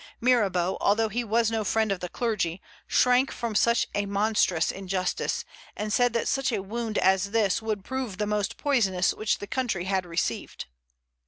Mirabeau, although he was no friend of the clergy, shrank from such a monstrous injustice, and said that such a wound as this would prove the most poisonous which the country had received.